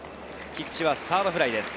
菊池はサードフライです。